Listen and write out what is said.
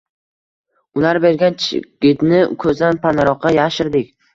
Ular bergan chigitni ko‘zdan panaroqqa yashirdik.